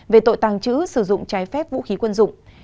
về tội tàng trữ sử dụng trái phép vũ khí quân dụng